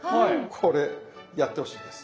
これやってほしいんです。